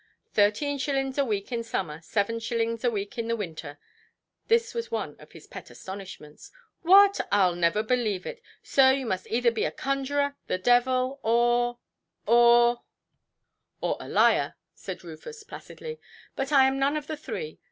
"Thirteen shillings a week in summer, seven shillings a week in the winter". This was one of his pet astonishments. "What! Iʼll never believe it. Sir, you must either be a conjuror, the devil, or—or——" "Or a liar", said Rufus, placidly; "but I am none of the three.